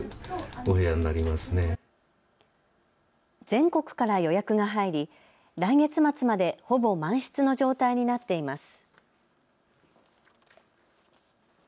全国から予約が入り来月末まで、ほぼ満室の状態になっています。